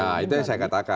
nah itu yang saya katakan